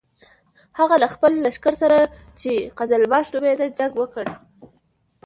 هغه له خپل لښکر سره چې قزلباش نومېده جنګ وکړ.